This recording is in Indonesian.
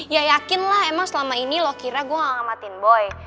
ya yakinlah emang selama ini lo kira gue gak ngamatin boy